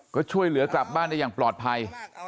ก็ช่วยเหลือกลับบ้านได้อย่างปลอดภัย